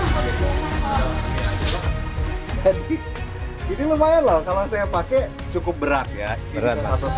jadi ini lumayan loh kalau saya pakai cukup berat ya